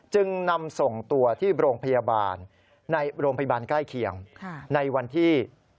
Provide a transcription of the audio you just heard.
จึงนำส่งตัวที่โรงพยาบาลใกล้เคียงในวันที่๓๐